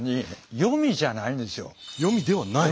読みではない？